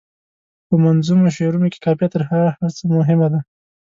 په منظومو شعرونو کې قافیه تر هر څه مهمه ده.